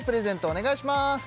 お願いします